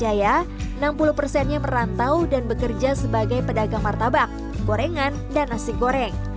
dari sekitar satu tiga ratus penduduk desa sangkanjaya enam puluh persennya merantau dan bekerja sebagai pedagang martabak gorengan dan nasi goreng